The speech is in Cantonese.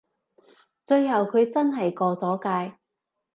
最後佢真係過咗界